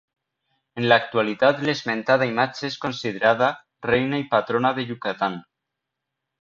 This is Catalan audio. En l'actualitat l'esmentada imatge és considerada Reina i Patrona de Yucatán.